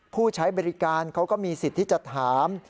ผู้ใช้บริการเขาก็มีสิทธิ์ที่จะถาม